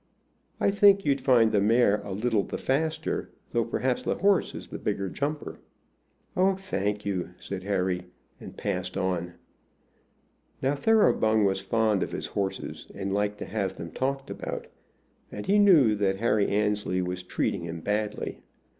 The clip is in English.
I think you'd find the mare a little the faster, though perhaps the horse is the bigger jumper." "Oh, thank you!" said Harry, and passed on. Now, Thoroughbung was fond of his horses, and liked to have them talked about, and he knew that Harry Annesley was treating him badly.